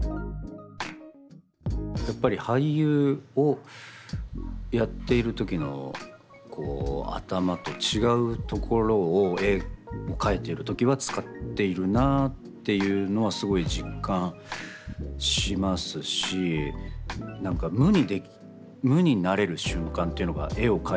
やっぱり俳優をやっている時の頭と違うところを絵を描いてる時は使っているなっていうのはすごい実感しますしなんか無にでき無になれる瞬間というのが絵を描いてる時なんですよね。